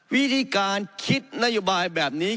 วิธีการคิดนโยบายแบบนี้